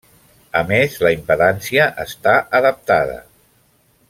A més la impedància està adaptada.